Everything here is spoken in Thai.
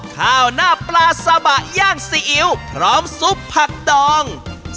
ข้าวหน้าปลาซาบะย่างซีอิ๊วพร้อมซุปผักดอง